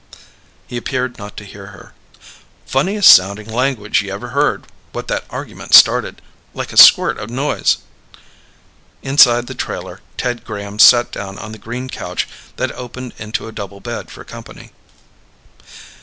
He appeared not to hear her. "Funniest sounding language you ever heard when that argument started like a squirt of noise." Inside the trailer, Ted Graham sat down on the green couch that opened into a double bed for company.